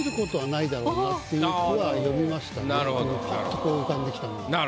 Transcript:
パッとこう浮かんできたんで。